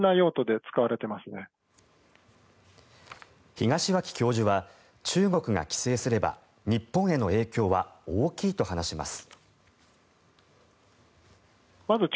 東脇教授は中国が規制すれば日本への影響は大きいと話します。